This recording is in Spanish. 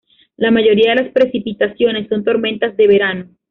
La mayoría de las precipitaciones son tormentas de verano.